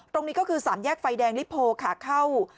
ตรงนี้ก็คือสามแยกไฟแดงลิโพขาเข้า